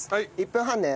１分半ね。